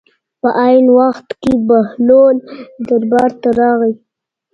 په عین وخت کې بهلول دربار ته راغی.